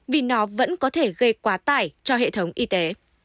vì nó vẫn có thể gây quá tải cho hệ thống y tế